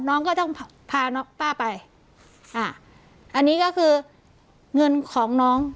น้องก็ต้องพาน้องป้าไปอ่าอันนี้ก็คือเงินของน้อง